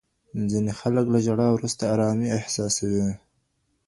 ځینې خلک له ژړا وروسته ارامي احساسوي.